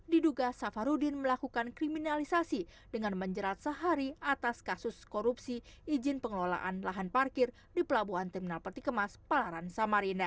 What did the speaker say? diduga safarudin melakukan kriminalisasi dengan menjerat sahari atas kasus korupsi izin pengelolaan lahan parkir di pelabuhan terminal peti kemas palaran samarinda